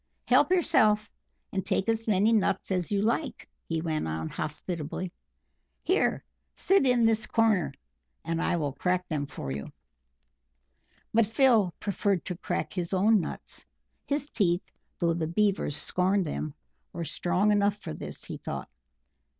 Help yourself, and take as many nuts as you like," he went on hospitably. "Here sit in this corner, and I will crack them for you." But Phil preferred to crack his own nuts; his teeth, though the Beavers scorned them, were strong enough for this, he thought.